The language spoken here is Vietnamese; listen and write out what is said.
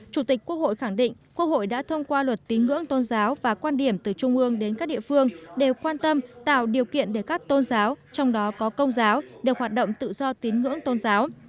chủ tịch quốc hội khẳng định quốc hội đã thông qua luật tín ngưỡng tôn giáo và quan điểm từ trung ương đến các địa phương đều quan tâm tạo điều kiện để các tôn giáo trong đó có công giáo được hoạt động tự do tín ngưỡng tôn giáo